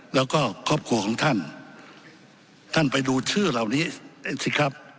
แล้วก็ครอบครัวของท่านท่านไปดูชื่อเหล่านี้สิครับ